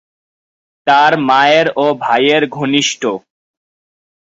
তার মায়ের ও ভাইয়ের ঘনিষ্ঠ।